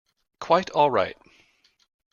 Quite all right.